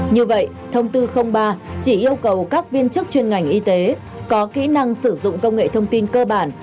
như vậy thông tư ba chỉ yêu cầu các viên chức chuyên ngành y tế có kỹ năng sử dụng công nghệ thông tin cơ bản